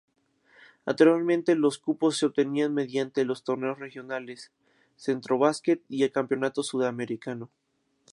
Anteriormente los cupos se obtenían mediante los torneos regionales: Centrobasket y el Campeonato Sudamericano.